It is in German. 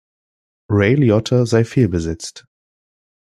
Ray Liotta sei fehlbesetzt.